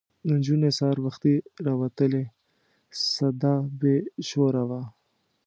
نجونې سهار وختي راوتلې سده بې شوره وه.